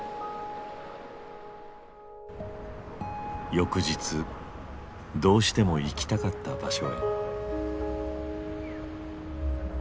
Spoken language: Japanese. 翌日どうしても行きたかった場所へ。